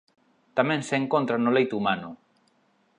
Tamén se encontra no leite humano.